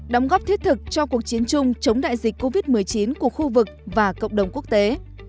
đóng góp thiết thực cho cuộc chiến chung chống đại dịch covid một mươi chín của khu vực và cộng đồng quốc tế